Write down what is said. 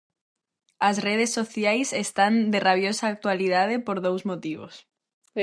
As redes sociais están de rabiosa actualidade por dous motivos.